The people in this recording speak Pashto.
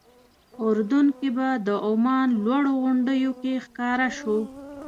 اردن کې به د عمان لوړو غونډیو کې ښکاره شو.